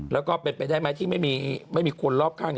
แล้วก็เป็นไปได้ไหมที่ไม่มีคนรอบข้าง